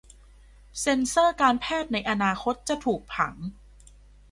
เซ็นเซอร์การแพทย์ในอนาคตจะถูกผัง